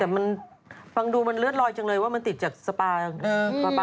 แต่มันฟังดูมันเลือดลอยจังเลยว่ามันติดจากสปา